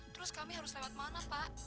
terus kami harus lewat mana pak